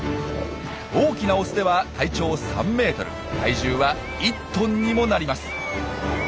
大きなオスでは体長３ｍ体重は１ｔにもなります。